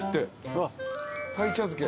鯛茶漬け。